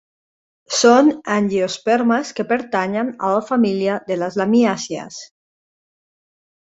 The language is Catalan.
Són angiospermes que pertanyen a la família de les lamiàcies.